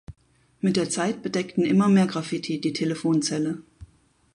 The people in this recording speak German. Mit der Zeit bedeckten immer mehr Graffiti die Telefonzelle.